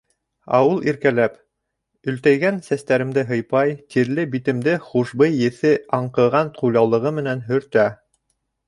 Ә ул иркәләп, өлтәйгән сәстәремде һыйпай, тирле битемде хушбый еҫе аңҡыған ҡулъяулығы менән һөртә.